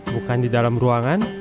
bukan di dalam ruangan